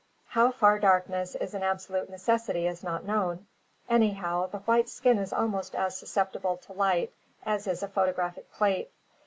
How far darkness is an absolute necessity is not known. Anyhow, the white skin is almost as susceptible to light as is a photographic plate.